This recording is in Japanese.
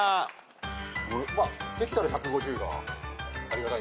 まあできたら１５０がありがたいな。